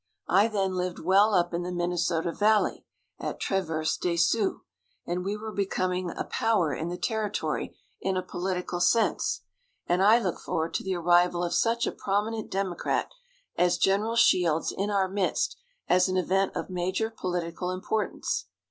I then lived well up in the Minnesota valley, at Traverse des Sioux, and we were becoming a power in the territory in a political sense, and I looked forward to the arrival of such a prominent Democrat as General Shields in our midst as an event of major political importance.